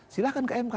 silahkan ke mk